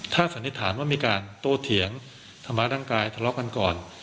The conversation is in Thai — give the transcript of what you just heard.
ถ้าสันนิษฐานว่ามีการโตเถียงทำร้ายร่างกายทะเลาะกันก่อน